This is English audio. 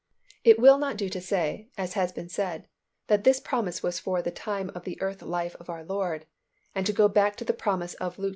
It will not do to say, as has been said, that "this promise was for the time of the earth life of our Lord, and to go back to the promise of Luke xi.